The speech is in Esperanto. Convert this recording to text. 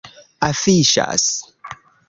afiŝas